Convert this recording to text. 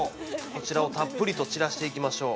こちらをたっぷりと散らしていきましょう。